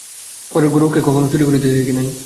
গরুকে কখনও চুরি করিতে দেখি নাই।